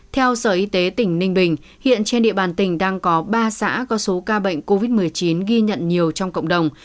theo sở y tế tỉnh ninh bình hiện trên địa bàn tỉnh đang có ba xã có số ca bệnh covid một mươi chín ghi nhận nhiều trong cộng đồng